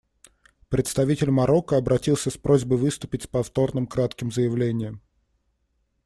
Представитель Марокко обратился с просьбой выступить с повторным кратким заявлением.